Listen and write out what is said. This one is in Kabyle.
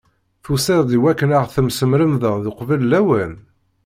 Tusiḍ-d iwakken ad ɣ-tesmeremdeḍ uqbel lawan?